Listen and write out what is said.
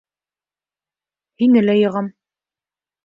Һине лә йығам...